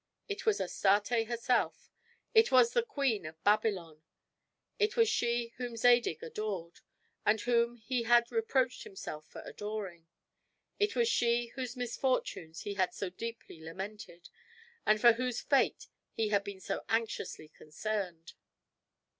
It was Astarte herself; it was the Queen of Babylon; it was she whom Zadig adored, and whom he had reproached himself for adoring; it was she whose misfortunes he had so deeply lamented, and for whose fate he had been so anxiously concerned.